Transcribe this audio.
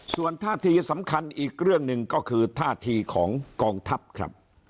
ส่วนท่าทีสำคัญอีกเรื่องหนึ่งก็คือท่าทีของกองทัพครับ